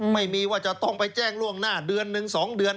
ไม่มีว่าจะต้องไปแจ้งล่วงหน้าเดือนหนึ่ง๒เดือน